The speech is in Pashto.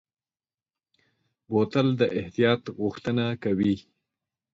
بوتل د احتیاط غوښتنه کوي.